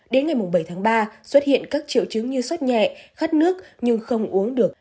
đến ngày bảy tháng ba xuất hiện các triệu chứng như xót nhẹ khát nước nhưng không uống được